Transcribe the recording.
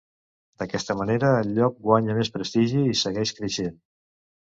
D'aquesta manera, el lloc guanya més prestigi i segueix creixent.